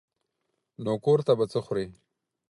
نو کور ته به څه خورې.